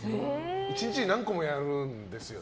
１日に何個もやるんですよね。